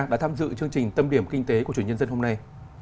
đã tham dự chương trình tâm điểm kinh tế của chủ nhân dân hôm nay